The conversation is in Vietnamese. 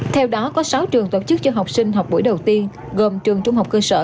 theo đó có sáu trường tổ chức cho học sinh học buổi đầu tiên gồm trường trung học cơ sở